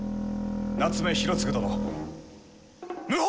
夏目広次殿謀反！